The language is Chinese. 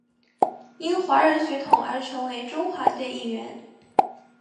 因华人血统而成为中华队一员。